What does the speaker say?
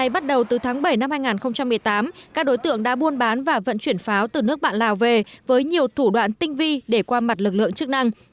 và các đối tượng đã buôn bán và vận chuyển pháo từ nước bạn lào về với nhiều thủ đoạn tinh vi để qua mặt lực lượng chức năng